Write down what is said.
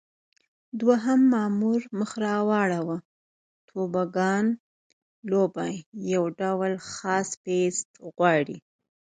دوهم مامور مخ را واړاوه: توبوګان لوبه یو ډول خاص پېست غواړي.